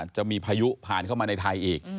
จะมีพายุผ่านเข้ามาในไทยอีก